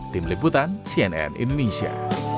tim liputan cnn indonesia